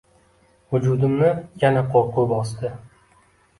Vujudimni yana qo‘rquv bosdi.